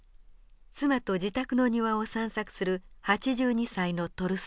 妻と自宅の庭を散策する８２歳のトルストイ。